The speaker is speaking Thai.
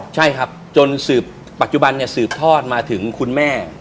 ใช่ครับจนสืบปัจจุบันเนี่ยสืบทอดมาถึงคุณแม่